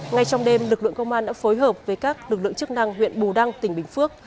ngay trong đêm lực lượng công an đã phối hợp với các lực lượng chức năng huyện bù đăng tỉnh bình phước